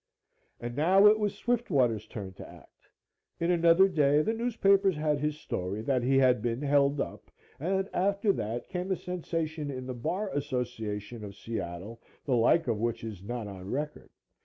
And now it was Swiftwater's turn to act. In another day the newspapers had his story that he had been "held up," and after that came a sensation in the Bar Association of Seattle the like of which is not on record.